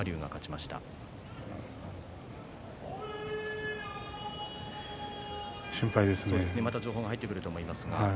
また情報が入ってくると思います。